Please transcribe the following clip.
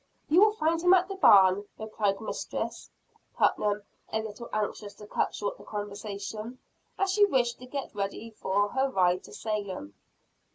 "You will find him at the barn," replied Mistress Putnam, a little anxious to cut short the conversation, as she wished to get ready for her ride to Salem.